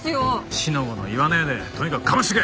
四の五の言わねえでとにかくかましてけ！